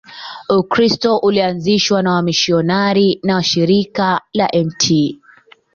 Ukristo ulianzishwa na wamisionari wa Shirika la Mt.